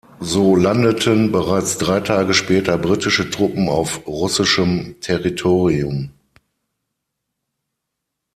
So landeten bereits drei Tage später britische Truppen auf russischem Territorium.